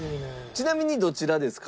ちなみにどちらですか？